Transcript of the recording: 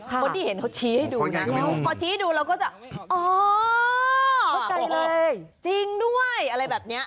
คนที่เห็นเขาชี้ให้ดูนะเขาชี้ดูเราก็จะอ๋อจริงด้วยอะไรแบบเนี้ย